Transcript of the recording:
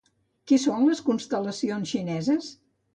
Què són les constel·lacions xineses?